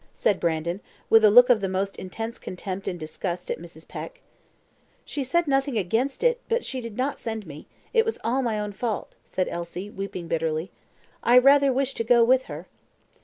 said Brandon, with a look of the most intense contempt and disgust at Mrs. Peck. "She said nothing against it; but she did not send me; it was all my own fault," said Elsie, weeping bitterly. "I rather wished to go with her."